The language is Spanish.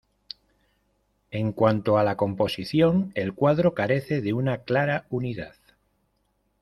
En cuanto a la composición, el cuadro carece de una clara unidad.